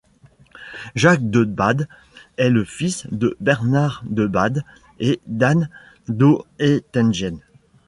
Jacques de Bade est le fils de Bernard de Bade et d’Anne d'Oettingen.